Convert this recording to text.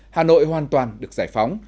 hà nội hoàn toàn được giải phóng